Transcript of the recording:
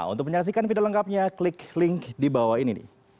untuk menyaksikan video lengkapnya klik link di bawah ini